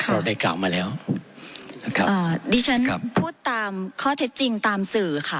เราได้กล่าวมาแล้วนะครับอ่าดิฉันพูดตามข้อเท็จจริงตามสื่อค่ะ